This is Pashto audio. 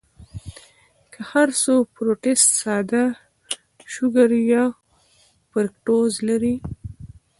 کۀ هر څو فروټس ساده شوګر يا فرکټوز لري